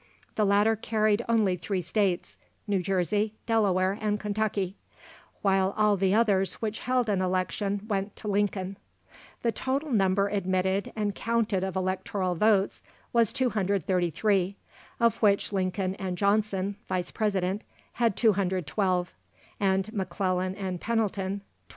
The latter carried only three states New Jersey, Delaware, and Kentucky, while all the others which held an election went to Lincoln. The total number admitted and counted of electoral votes was 233, of which Lincoln and Johnson (Vice President) had 212, and M'Clellan and Pendleton 21.